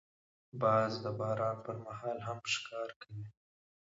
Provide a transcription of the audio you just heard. باز د باران پر مهال هم ښکار کوي